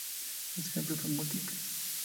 Los ejemplos son múltiples.